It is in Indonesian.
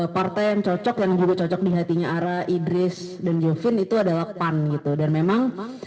partai yang cocok yang juga cocok di hatinya ara idris dan jovin itu adalah pan gitu dan memang